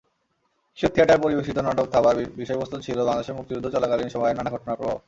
কিশোর theatre পরিবেশিত নাটক থাবার বিষয়বস্তু ছিল বাংলাদেশের মুক্তিযুদ্ধ চলাকালীন সময়ের নানা ঘটনাপ্রবাহ।